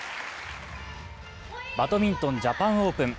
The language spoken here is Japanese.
バドミントン、ジャパンオープン。